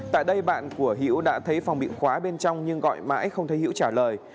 tại đây bạn của hiễu đã thấy phòng bị khóa bên trong nhưng gọi mãi không thấy hữu trả lời